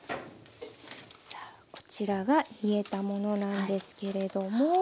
こちらが冷えたものなんですけれども。